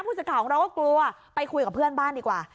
สักข่าวของเราก็กลัวไปคุยกับเพื่อนบ้านดีกว่า